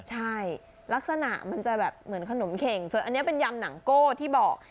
ใช่ลักษณะมันจะแบบเหมือนขนมเข่งส่วนอันนี้เป็นยำหนังโก้ที่บอก